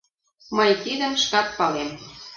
— Мый тидым шкат палем!